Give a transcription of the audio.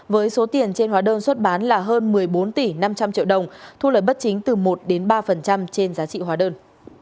với số tiền trên hóa đơn xuất bán là hơn một mươi bốn tỷ năm trăm linh triệu đồng thu lời bất chính từ một ba trên giá trị hóa đơn